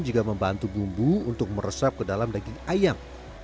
juga membantu bumbu untuk meresap ke dalam daging ayam